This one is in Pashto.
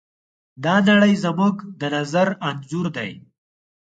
دا نړۍ زموږ د نظر انځور دی.